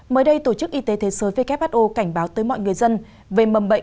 mới đây tổ chức y tế thế giới who cảnh báo tới mọi người dân về mầm bệnh